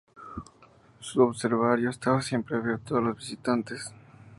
Su observatorio estaba siempre abierto a los visitantes.